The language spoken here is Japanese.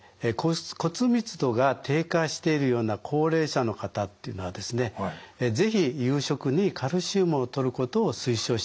骨密度が低下しているような高齢者の方っていうのはですね是非夕食にカルシウムをとることを推奨したいと思いますね。